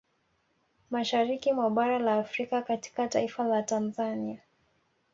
Mashariki mwa bara la Afrika katika taifa la Tanzania